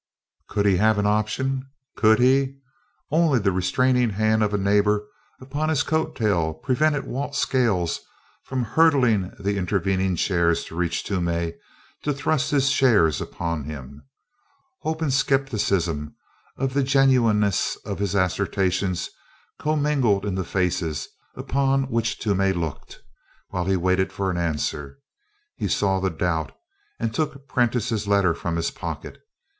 Could he have an option? Could he! Only the restraining hand of a neighbor upon his coat tail prevented Walt Scales from hurdling the intervening chairs to reach Toomey to thrust his shares upon him. Hope and skepticism of the genuineness of his assertions commingled in the faces upon which Toomey looked, while he waited for an answer. He saw the doubt and took Prentiss's letter from his pocket.